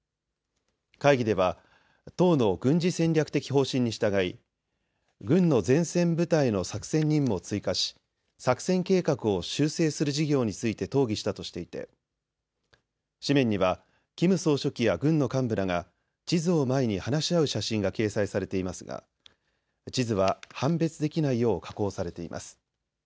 会議では党の軍事戦略的方針に従い軍の前線部隊の作戦任務を追加し作戦計画を修正する事業について討議したとしていて紙面にはキム総書記や軍の幹部らが地図を前に話し合う写真が掲載されていますが地図は判別できないよう加工されています。